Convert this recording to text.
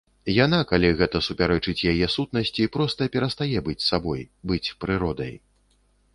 Яна, калі гэта супярэчыць яе сутнасці, проста перастае быць сабой, быць прыродай.